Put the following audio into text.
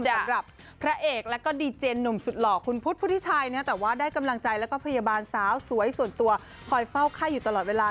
สำหรับพระเอกแล้วก็ดีเจนหนุ่มสุดหล่อคุณพุทธพุทธิชัยนะแต่ว่าได้กำลังใจแล้วก็พยาบาลสาวสวยส่วนตัวคอยเฝ้าไข้อยู่ตลอดเวลา